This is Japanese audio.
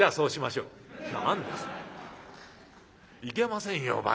いけませんよ